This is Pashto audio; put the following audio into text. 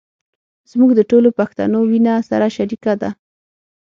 زموږ د ټولو پښتنو وينه سره شریکه ده.